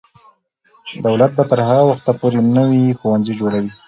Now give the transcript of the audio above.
دولت به تر هغه وخته پورې نوي ښوونځي جوړوي.